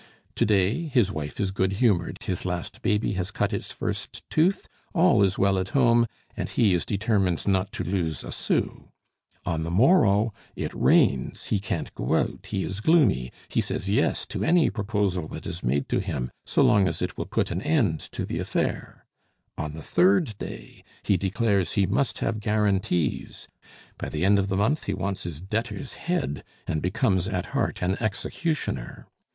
To day his wife is good humored, his last baby has cut its first tooth, all is well at home, and he is determined not to lose a sou; on the morrow it rains, he can't go out, he is gloomy, he says yes to any proposal that is made to him, so long as it will put an end to the affair; on the third day he declares he must have guarantees; by the end of the month he wants his debtor's head, and becomes at heart an executioner.